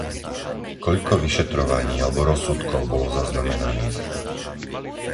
Koľko vyšetrovaní alebo rozsudkov bolo zaznamenaných?